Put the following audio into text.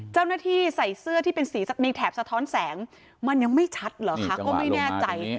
เจ้าหน้าที่ใส่เสื้อที่เป็นสีในแถบสะท้อนแสงมันยังไม่ชัดเหรอคะก็ไม่แน่ใจ